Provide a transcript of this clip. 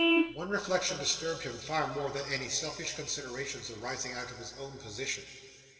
One reflection disturbed him far more than any selfish considerations arising out of his own position.